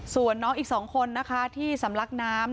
ส่วนน้องอีก๒คนนะคะที่สำลักน้ำ